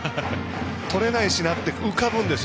とれないしなって浮かぶんです。